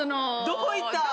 どこ行った？